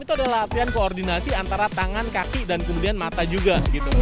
itu adalah latihan koordinasi antara tangan kaki dan kemudian mata juga